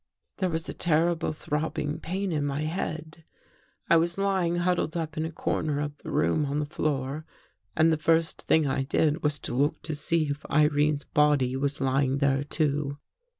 There was a terrible throbbing pain in my head. I was lying huddled up in a corner of the room on the floor and the first thing I did was to look to see if Irene's body was lying there too.